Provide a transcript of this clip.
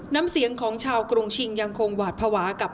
น้ำเสียงของชาวกรุงชิงยังคงหวาดภาวะกับ